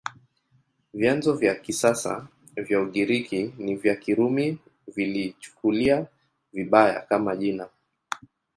Vyanzo vya kisasa vya Ugiriki na vya Kirumi viliichukulia vibaya, kama jina.